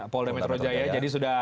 pol demetro jaya